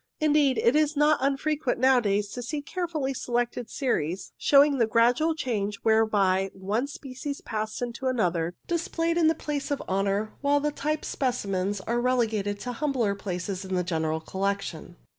Indeed, it is not unfrequent nowadays to see carefully selected series, showing the gradual change whereby one species passed into another, displayed in the place of honour, while the type specimens are relegated to humbler places in the general collection.